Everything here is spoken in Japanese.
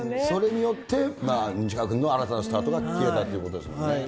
それによって、西川君の新たなスタートが切れたということですもんね。